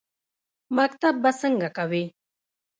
_مکتب به څنګه کوې؟